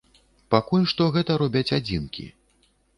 Пакуль што гэта робяць адзінкі.